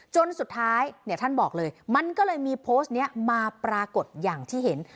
จนสุดท้ายเนี่ยท่านบอกเลยมันก็เลยมีโพสต์นี้มาปรากฏอย่างที่เห็น